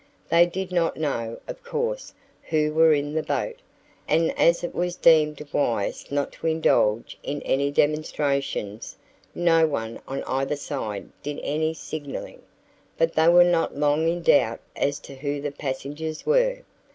They did not know, of course, who were in the boat, and as it was deemed wise not to indulge in any demonstrations, no one on either side did any signalling; but they were not long in doubt as to who the passengers were.